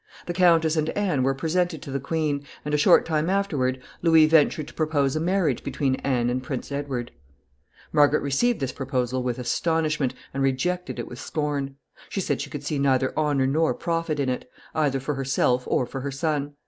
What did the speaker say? The countess and Anne were presented to the queen, and a short time afterward Louis ventured to propose a marriage between Anne and Prince Edward. [Sidenote: Margaret's indignation.] Margaret received this proposal with astonishment, and rejected it with scorn. She said she could see neither honor nor profit in it, either for herself or for her son.